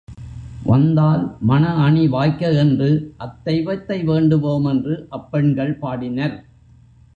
வந்தால் மண அணி வாய்க்க என்று அத் தெய்வத்தை வேண்டுவோம் என்று அப்பெண்கள் பாடினர்.